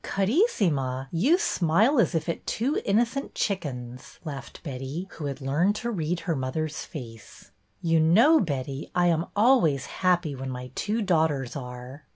" Carissima, you smile as if at two innocent chickens," laughed Betty, who had learned to read her mother's face. " You know, Betty, I am always happy when my two daughters are."